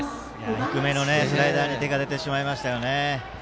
低めのスライダーに手が出てしまいましたね。